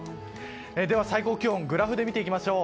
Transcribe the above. では、最高気温をグラフで見ていきましょう。